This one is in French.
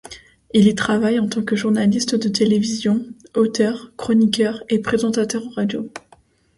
Il y travaille en tant que journaliste de télévision, auteur, chroniqueur et présentateur radio.